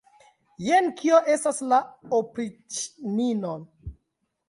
Jen kio estas la opriĉnino!